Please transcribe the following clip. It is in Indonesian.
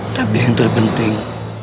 tapi yang terpenting